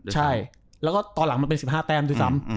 ใช่แล้วก็ตอนหลังมันเป็น๑๕แต้มด้วยซ้ำ